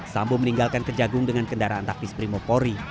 sambung meninggalkan kejagung dengan kendaraan taktis primo pory